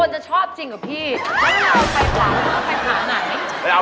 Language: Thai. แหละ